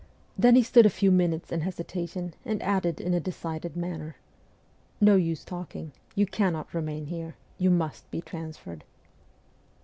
Then he stood a few minutes in hesitation, and added in a decided manner, ' No use talking, you cannot remain here ; you must be transferred.'